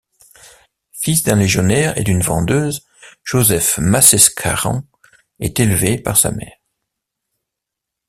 Fils d'un légionnaire et d'une vendeuse, Joseph Macé-Scaron est élevé par sa mère.